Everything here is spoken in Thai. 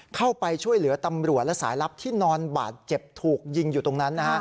เข้าไปช่วยเหลือตำรวจและสายลับที่นอนบาดเจ็บถูกยิงอยู่ตรงนั้น